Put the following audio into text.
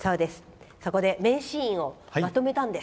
そこで名シーンをまとめたんです。